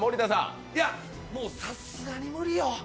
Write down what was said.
さすがに無理よ。